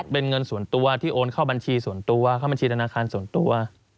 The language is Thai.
เป็นเงินส่วนตัวที่โอนเข้าบัญชีส่วนตัวเข้าบัญชีธนาคารส่วนตัว